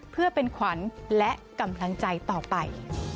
เพื่อเป็นขวัญและกำลังใจต่อไป